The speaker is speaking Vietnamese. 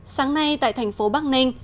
sáng nay tại thành phố bắc ninh